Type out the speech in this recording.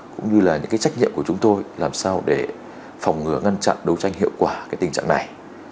cũng như là những cái trách nhiệm của chúng tôi làm sao để phòng ngừa ngăn chặn đấu tranh hiệu quả tình trạng này